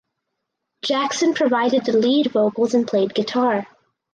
Jackson provided the lead vocals and played guitar.